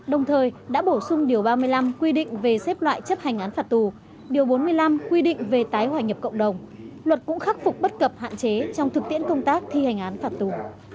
đồng thời đã bổ sung điều ba mươi năm quy định về xếp loại chấp hành án phạt tù điều bốn mươi năm quy định về tái hòa nhập cộng đồng luật cũng khắc phục bất cập hạn chế trong thực tiễn công tác thi hành án phạt tù